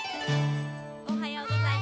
おはようございます。